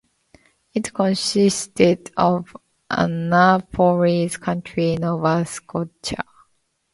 It consisted of Annapolis County, Nova Scotia.